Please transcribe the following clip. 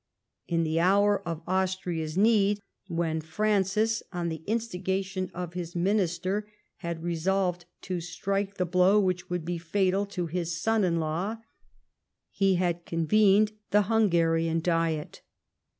In the hour of Austria's need, when Francis, on the instigation of his Minister, had resolved to strike the blow which should be fatal to his son in law, he had convened the Hungarian Diet.